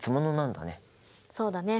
そうだね。